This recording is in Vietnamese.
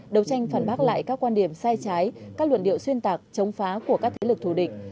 đấu tranh phản bác lại các quan điểm sai trái các luận điệu xuyên tạc chống phá của các thế lực thù địch